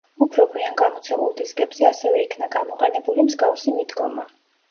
უფრო გვიან გამოცემულ დისკებზე ასევე იქნა გამოყენებული მსგავსი მიდგომა.